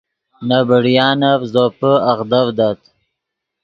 نے بڑیانف زوپے اغدڤدت